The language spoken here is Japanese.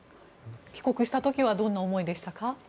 帰国した時はどんな思いでしたか？